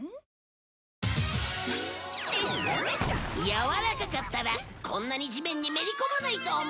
柔らかかったらこんなに地面にめり込まないと思うんだよね